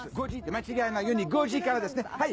間違えないように５時からですねはい。